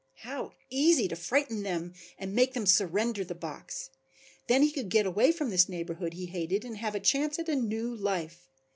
How easy to frighten them and make them surrender the box. Then he could get away from this neighborhood he hated and have a chance at a new life.